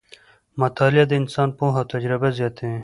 مطالعه د انسان پوهه او تجربه زیاتوي